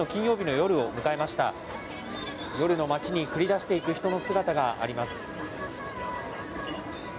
夜の街に繰り出していく人の姿があります。